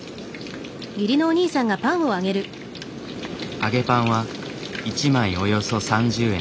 揚げパンは１枚およそ３０円。